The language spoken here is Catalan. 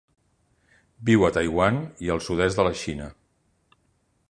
Viu a Taiwan i el sud-est de la Xina.